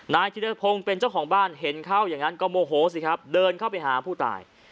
ธิรพงศ์เป็นเจ้าของบ้านเห็นเข้าอย่างนั้นก็โมโหสิครับเดินเข้าไปหาผู้ตาย